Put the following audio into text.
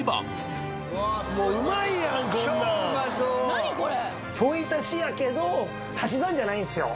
何これ？